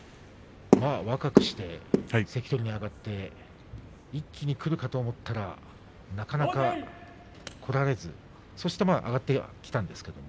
若くして関取に上がって一気にくるかと思ったらなかなかこられずそして上がってきたんですけれど。